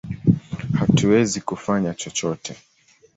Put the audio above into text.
Hatuwezi kufanya chochote!